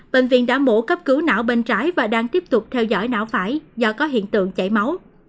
bệnh viện đã mổ cấp cứu não bên trái và đang tiếp tục theo dõi não phải do có hiện tượng chảy máu